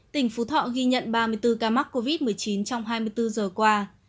tỉnh phú thọ ghi nhận ba mươi bốn ca mắc covid một mươi chín trong hai mươi bốn giờ qua